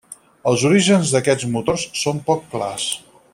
Els orígens d'aquests motors són poc clars.